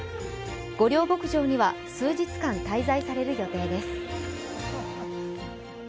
御料牧場には数日間滞在される予定です。